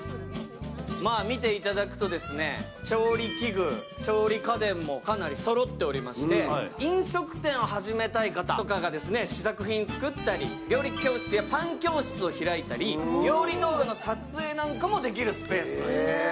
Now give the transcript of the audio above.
見ていただくと、調理器具、調理家電もかなりそろっておりまして飲食店を始めたい方とかが試作品を作ったり、料理教室やパン教室を開いたり、料理道具の撮影なんかもできるスペースと。